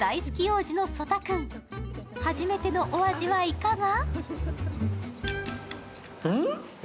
初めてのお味はいかが？